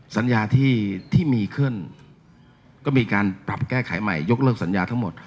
สัญญาที่มีขึ้นก็มีการปรับแก้ไขใหม่ยกเลิกสัญญาทั้งหมด